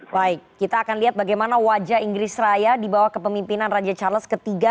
baik kita akan lihat bagaimana wajah inggris raya di bawah kepemimpinan raja charles iii